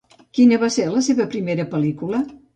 Quina va ser la seva primera pel·lícula?